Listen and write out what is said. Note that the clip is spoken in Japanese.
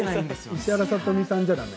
石原さとみさんじゃ、だめ？